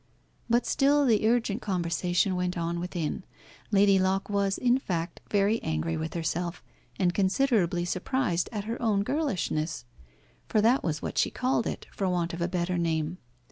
But still the urgent conversation went on within. Lady Locke was, in fact, very angry with herself, and considerably surprised at her own girlishness. For that was what she called it, for want of a better name.